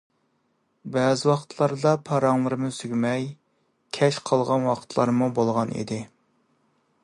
بەزى ۋاقىتلاردا پاراڭلىرىمىز تۈگىمەي، كەچ قالغان ۋاقىتلارمۇ بولغان ئىدى.